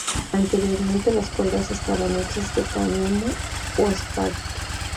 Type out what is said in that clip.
Anteriormente las cuerdas estaban hechas de cáñamo o esparto.